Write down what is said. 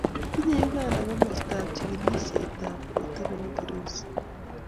tinyei Uganda komostab chikilisietab koroito nebo virusi.